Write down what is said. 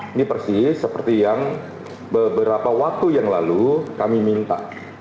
ini persis seperti yang beberapa waktu yang lalu kami minta